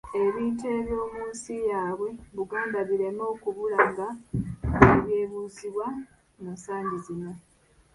Ebintu eby'omu nsi yaabwe Buganda bireme okubula nga bwe byebuuzibwa mu nsangi zino.